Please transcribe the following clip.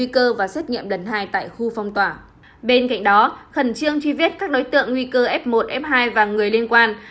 khẩn trương truy vết các đối tượng nguy cơ f một f hai và người liên quan